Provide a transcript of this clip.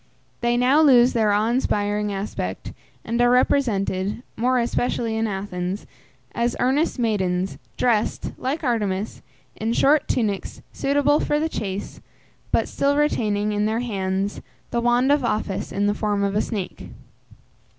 They now lose their awe inspiring aspect, and are represented, more especially in Athens, as earnest maidens, dressed, like Artemis, in short tunics suitable for the chase, but still retaining, in their hands, the wand of office in the form of a snake.